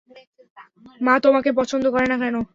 মা তোমাকে পছন্দ করে না কেন?